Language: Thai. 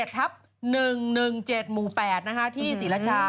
ทับ๑๑๗หมู่๘ที่ศรีรชา